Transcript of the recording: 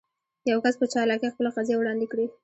يو کس په چالاکي خپله قضيه وړاندې کړي.